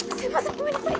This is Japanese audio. ごめんなさい！